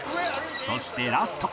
そしてラスト